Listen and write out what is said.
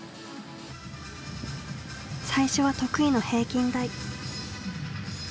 最初は得意の平均台。